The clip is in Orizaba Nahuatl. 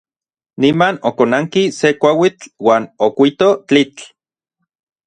Niman okonanki se kuauitl uan okuito tlitl.